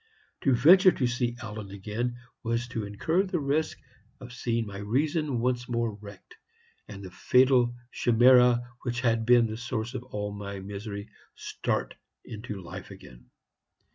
To venture to see Ellen again was to incur the risk of seeing my reason once more wrecked, and the fatal chimera which had been the source of all my misery start into life again.